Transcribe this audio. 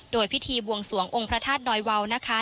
โดยพิธีบวงสวงองค์พระธาตุดอยวาวนะคะ